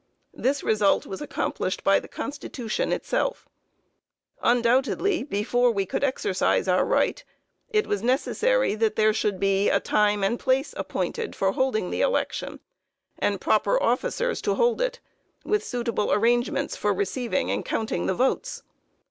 This result was accomplished by the constitution itself. Undoubtedly before we could exercise our right, it was necessary that there should be a time and place appointed for holding the election and proper officers to hold it, with suitable arrangements for receiving and counting the votes.